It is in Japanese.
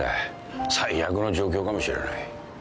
最悪の状況かもしれない。